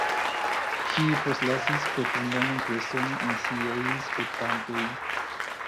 Ŝi postlasis profundan impreson en siaj spektantoj.